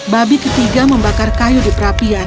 babi ketiga membakar kayu di perapian